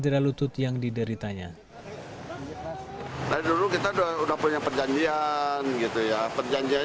salah pertimbangan dengan pak glenn